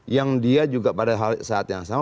yang dia juga pada saat yang sama